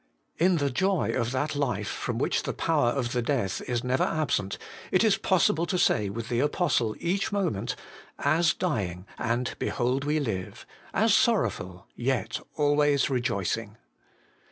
In the joy of that life, from which the power of the death is never absent, it is possible to say with the Apostle each moment, ' As dying, and, behold, we live ; as sorrowful, yet always rejoicing.'